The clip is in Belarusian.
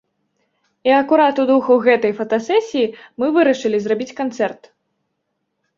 І акурат у духу гэтай фотасесіі мы вырашылі зрабіць канцэрт.